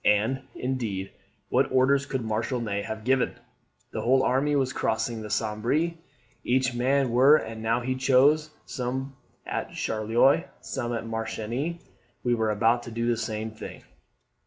And, indeed, what orders could Marshal Ney have given? The whole army was crossing the Sambre, each man where and now he chose; some at Charleroi, some at Marchiennes. We were about to do the same thing.